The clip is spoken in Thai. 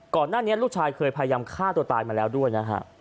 ก่อนหน้านี้ลูกชายเคยพยายามฆ่าตัวตายมาแล้วด้วยนะฮะ